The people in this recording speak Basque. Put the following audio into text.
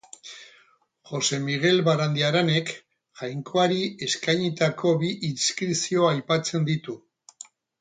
Jose Migel Barandiaranek Jainkoari eskainitako bi inskripzio aipatzen ditu.